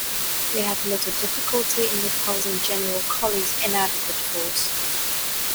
They had little difficulty in repulsing General Colley's inadequate force.